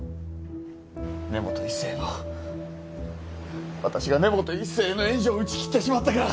根本一成への私が根本一成への援助を打ち切ってしまったから。